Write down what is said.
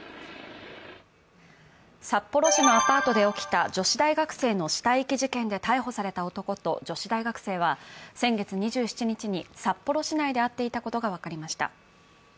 札幌市のアパートで起きた女子大学生の死体遺棄事件で逮捕された男と女子大学生は先月２７日に札幌市内で会っていたことが分かりました。